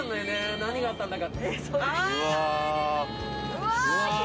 何があったんだか。